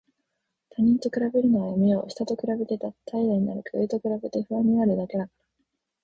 他人と比べるのはやめよう。下と比べて怠惰になるか、上と比べて不安になるだけだから。